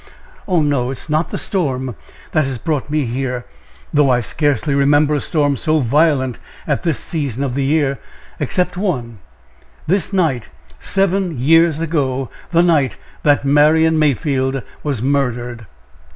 "Oh, no! it is not the storm that has brought me here, though I scarcely remember a storm so violent at this season of the year, except one this night seven years ago the night that Marian Mayfield was murdered!"